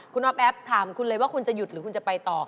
คุณอ๊อฟแอฟถามคุณเลยว่าคุณจะหยุดหรือคุณจะไปต่อ